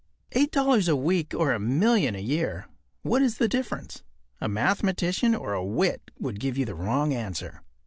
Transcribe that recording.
Eight dollars a week or a million a year—what is the difference? A mathematician or a wit would give you the wrong answer.